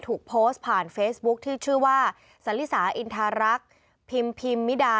ถูกโพสต์ผ่านเฟซบุ๊คที่ชื่อว่าสลิสาอินทารักษ์พิมพิมมิดา